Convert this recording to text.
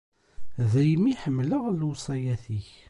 Daymi i ḥemmleɣ lewṣayat-ik.